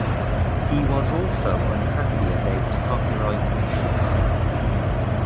He was also unhappy about copyright issues.